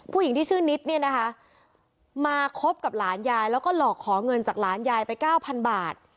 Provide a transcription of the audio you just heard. ผู้หญิงที่ชื่อนิดเนี่ยนะคะมาคบกับหลานยายแล้วก็หลอกขอเงินจากหลานยายไปเก้าพันบาท